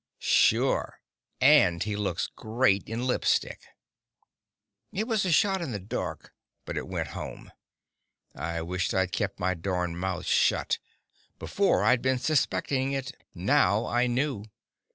"Sure. And he looks great in lipstick!" It was a shot in the dark, but it went home. I wished I'd kept my darned mouth shut; before I'd been suspecting it now I knew.